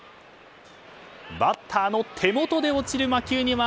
バッターの手元で落ちる魔球には